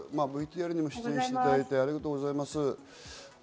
ＶＴＲにも出演していただいて、ありがとうございます。